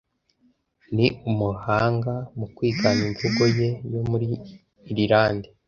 Ni umuhanga mu kwigana imvugo ye yo muri Irilande.